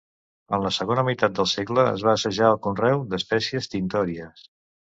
En la segona meitat del segle es va assajar el conreu d’espècies tintòries.